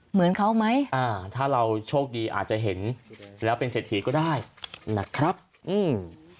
เหมือนเขาไหมอ่าถ้าเราโชคดีอาจจะเห็นแล้วเป็นเศรษฐีก็ได้นะครับอืม